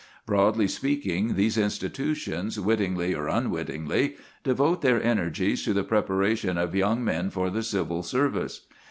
Broadly speaking, these institutions, wittingly or unwittingly, devote their energies to the preparation of young men for the Civil Service.